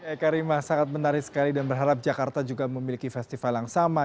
eka rima sangat menarik sekali dan berharap jakarta juga memiliki festival yang sama